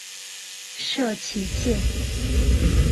社企界